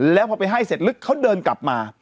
แล้วพอไปให้เสร็จลึกเขาเดินกลับมา